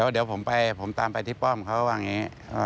เดี๋ยวผมตามไปที่ป้อมเขาว่าอย่างนี้